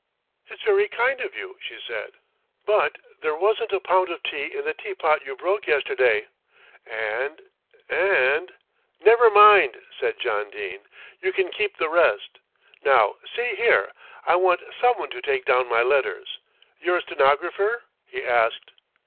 "It's very kind of you," she said, "but there wasn't a pound of tea in the teapot you broke yesterday, and and " "Never mind," said John Dene, "you can keep the rest. Now see here, I want someone to take down my letters. You're a stenographer?" he asked.